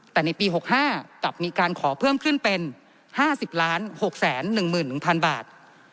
แต่ในปี๖๕กลับมีการขอเพิ่มขึ้นเป็น๕๐๖๑๑๐๐๐บาท